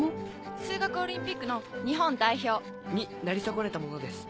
数学オリンピックの日本代表。になり損ねた者です。